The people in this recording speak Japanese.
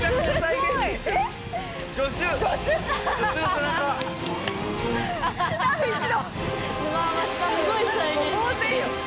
えすごい。